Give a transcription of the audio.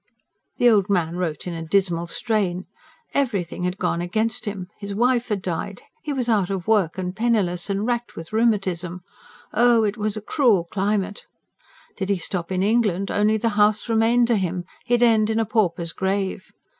The old man wrote in a dismal strain. Everything had gone against him. His wife had died, he was out of work and penniless, and racked with rheumatism oh, it was "a crewl climat"! Did he stop in England, only "the house" remained to him; he'd end in a pauper's grave.